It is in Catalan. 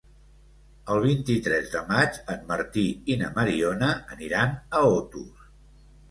El vint-i-tres de maig en Martí i na Mariona aniran a Otos.